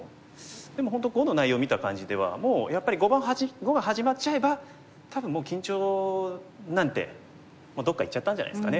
でも本当碁の内容を見た感じではもうやっぱり碁が始まっちゃえば多分もう緊張なんてどっかいっちゃったんじゃないですかね。